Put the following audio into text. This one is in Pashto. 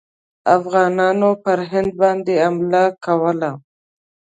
افغانانو پر هند باندي حمله کوله.